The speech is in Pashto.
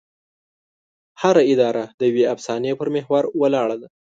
هره اداره د یوې افسانې پر محور ولاړه ده.